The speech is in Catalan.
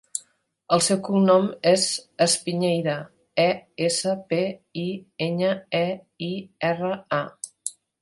El seu cognom és Espiñeira: e, essa, pe, i, enya, e, i, erra, a.